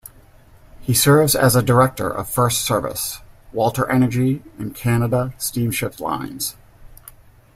He serves as a Director of FirstService, Walter Energy and Canada Steamship Lines.